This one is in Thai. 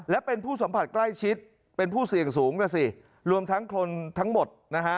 และเป็นผู้สัมผัสใกล้ชิดเป็นผู้เสี่ยงสูงนะสิรวมทั้งคนทั้งหมดนะฮะ